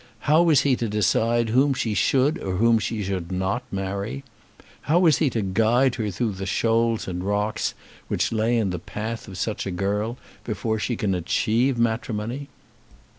How was he to decide whom she should or whom she should not marry? How was he to guide her through the shoals and rocks which lay in the path of such a girl before she can achieve matrimony?